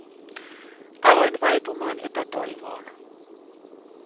Aloin vaipumaan epätoivoon.